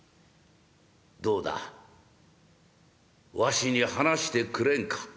「どうだわしに話してくれんか」。